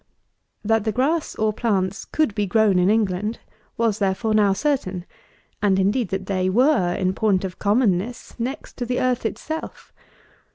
That the grass, or plants, could be grown in England was, therefore, now certain, and indeed that they were, in point of commonness, next to the earth itself.